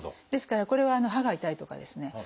ですからこれは歯が痛いとかですね